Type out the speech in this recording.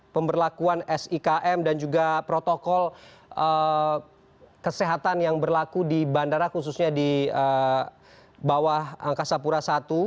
pemberlakuan sikm dan juga protokol kesehatan yang berlaku di bandara khususnya di bawah angkasa pura i